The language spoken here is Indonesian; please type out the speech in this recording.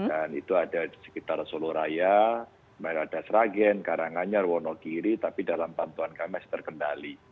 dan itu ada di sekitar soloraya meradas ragen karanganyar wonogiri tapi dalam bantuan kami masih terkendali